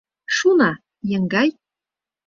— Шуына, еҥгай!